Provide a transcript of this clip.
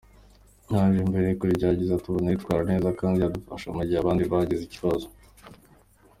Yaje mbere akora igerageza tubona yitwara neza kandi yadufasha mu gihe abandi bagize ikibazo.